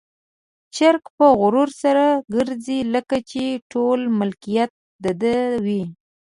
چرګ په غرور سره ګرځي، لکه چې ټول ملکيت د ده وي.